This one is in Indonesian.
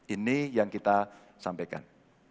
ini yang kita sampaikan